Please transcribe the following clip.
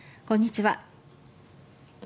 こんにちは。